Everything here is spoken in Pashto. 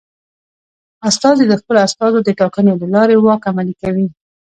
استازي د خپلو استازو د ټاکنې له لارې واک عملي کوي.